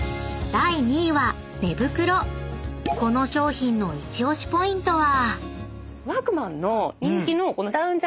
［この商品のイチオシポイントは？］